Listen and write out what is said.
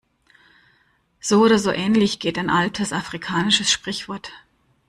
So oder so ähnlich geht ein altes afrikanisches Sprichwort.